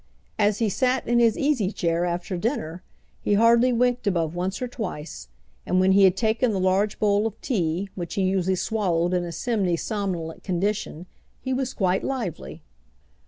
As he sat in his easy chair after dinner he hardly winked above once or twice; and when he had taken the large bowl of tea, which he usually swallowed in a semi somnolent condition, he was quite lively.